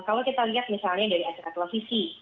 kalau kita lihat misalnya dari aset ke televisi